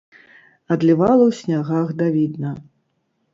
Адлівала ў снягах давідна.